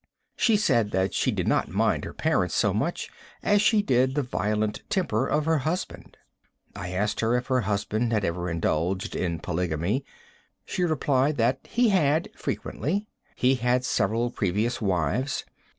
She said that she did not mind her parents so much as she did the violent temper of her husband. I asked her if her husband had ever indulged in polygamy. She replied that he had, frequently. He had several previous wives.